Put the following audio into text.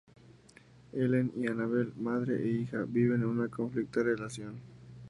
Ellen y Annabel, madre e hija, viven una conflictiva relación.